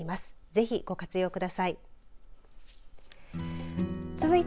ぜひ、ご活用ください。